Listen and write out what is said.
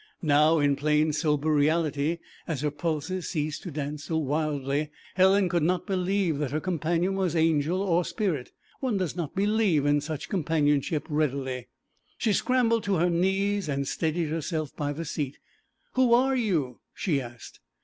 Now in plain sober reality, as her pulses ceased to dance so wildly, Helen could not believe that her companion was angel or spirit. One does not believe in such companionship readily. She scrambled to her knees and steadied herself by the seat. 'Who are you?' she asked.